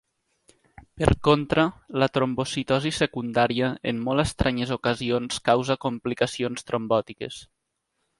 Per contra, la trombocitosi secundària en molt estranyes ocasions causa complicacions trombòtiques.